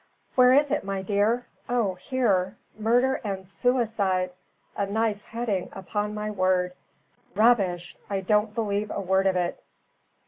"Where is it, my dear? oh, here! Murder and Suicide. A nice heading, upon my word. Rubbish! I don't believe a word of it."